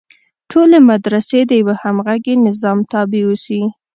ټولې مدرسې د یوه همغږي نظام تابع اوسي.